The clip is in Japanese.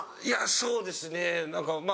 そうですね何かまぁ。